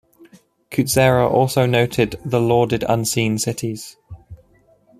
Kutzera also noted the lauded unseen cities.